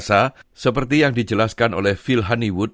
dan jasa seperti yang dijelaskan oleh phil honeywood